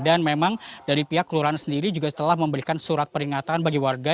dan memang dari pihak lurahan sendiri juga telah memberikan surat peringatan bagi warga